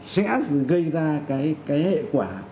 sẽ gây ra cái hệ quả